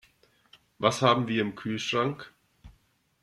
Was haben wir im Kühlschrank?